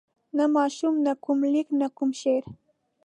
نه ماشوم نه کوم لیک نه کوم شعر.